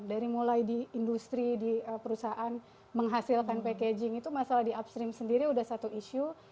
dari mulai di industri di perusahaan menghasilkan packaging itu masalah di upstream sendiri sudah satu isu